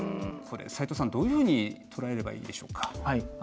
斉藤さん、どういうふうにとらえればいいでしょうか？